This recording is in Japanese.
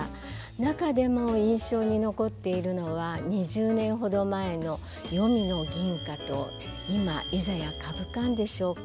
中でも印象に残っているのは２０年ほど前の「黄泉の銀花」と「今いざやかぶかん」でしょうか。